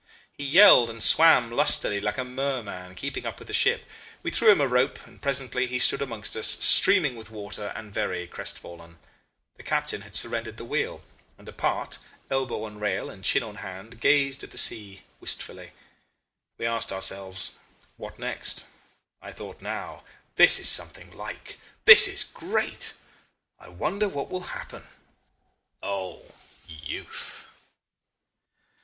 He yelled and swam lustily like a merman, keeping up with the ship. We threw him a rope, and presently he stood amongst us streaming with water and very crestfallen. The captain had surrendered the wheel, and apart, elbow on rail and chin in hand, gazed at the sea wistfully. We asked ourselves, What next? I thought, Now, this is something like. This is great. I wonder what will happen. O youth!